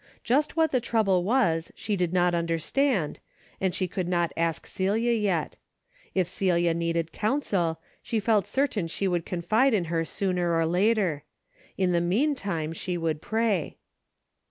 Just what the trouble was she did not understand, and she would not ask Celia yet. If Celia needed counsel, she felt certain she would confide in her sooner or later. In the meantime she could pray.